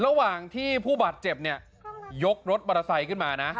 ระหว่างที่ผู้บาดเจ็บเนี่ยยกรถมอเตอร์ไซค์ขึ้นมานะ